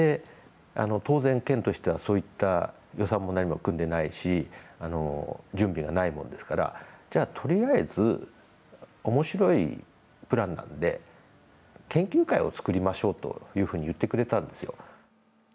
当然、県としてはそういった予算も組んでないし準備がないもんですからじゃあ、とりあえずおもしろいプランなんで研究会を作りましょうというふうに言ってくれたんですよ。